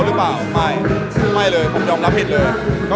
แต่ว่าถ้าเกิดว่าเข้าใจผิดจริงหรอ